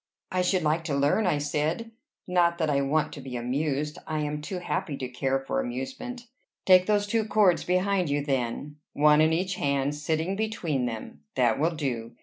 "I should like to learn," I said, "not that I want to be amused; I am too happy to care for amusement." "Take those two cords behind you, then, one in each hand, sitting between them. That will do.